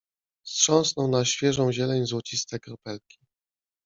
Strząsnął na świeżą zieleń złociste kropelki.